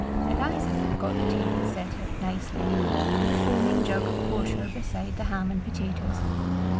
Eliza had got the table set out nicely, with a foaming jug of porter beside the ham and potatoes.